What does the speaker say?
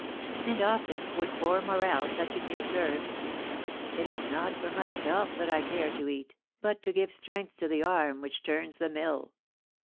And often would poor Morel touchingly observe: "It is not for myself that I care to eat, but to give strength to the arm which turns the mill."